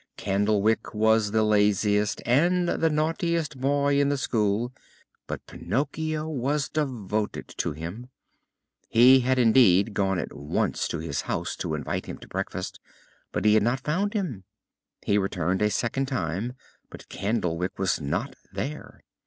Candlewick was the laziest and the naughtiest boy in the school, but Pinocchio was devoted to him. He had indeed gone at once to his house to invite him to the breakfast, but he had not found him. He returned a second time, but Candlewick was not there.